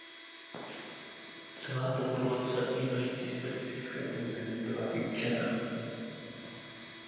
Celá populace obývající specifické území byla zničená.